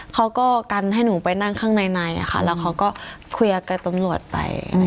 เขาก็กันให้หนูไปนั่งข้างในแล้วเขาก็คุยกับตำรวจไป